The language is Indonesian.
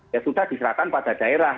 ya sudah diserahkan pada daerah